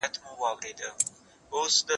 دوی چي ول دا لاره به سمه وي